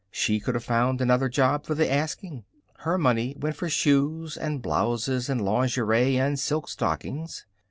She could have found another job for the asking. Her money went for shoes and blouses and lingerie and silk stockings.